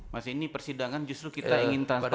mas ini persidangan justru kita ingin transparan